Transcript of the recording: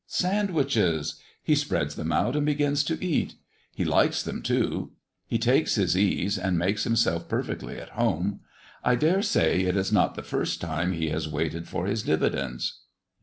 Sandwiches! He spreads them out, and begins to eat. He likes them too. He takes his ease, and makes himself perfectly at home. I dare say it is not the first time he has waited for his dividends.